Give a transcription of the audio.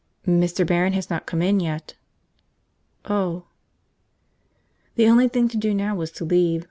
"Mr. Barron has not come in yet." "Oh." The only thing to do now was to leave.